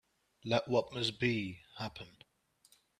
Let what must be, happen.